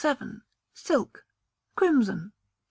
Silk (Crimson).